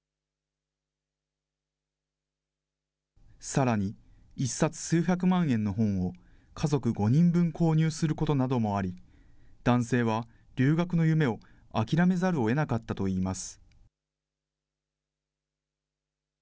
さらに、１冊数百万円の本を家族５人分購入することなどもあり、男性は留学の夢を諦めざるをえなかったといいます。